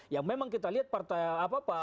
yang memang kita lihat partai apa apa